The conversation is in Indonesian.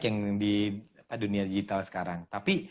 yang di dunia digital sekarang tapi